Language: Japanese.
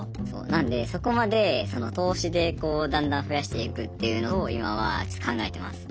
なのでそこまで投資でこうだんだん増やしていくっていうのを今はちょっと考えてます。